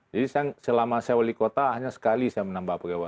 selama saya wali kota hanya sekali saya menambah pegawai